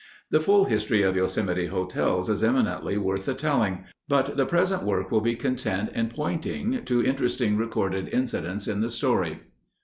The full history of Yosemite hotels is eminently worth the telling, but the present work will be content in pointing to interesting recorded incidents in the story.